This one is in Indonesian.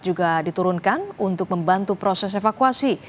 juga diturunkan untuk membantu proses evakuasi